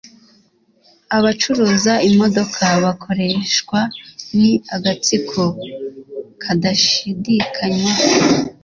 Abacuruza imodoka bakoreshwa ni agatsiko kadashidikanywaho.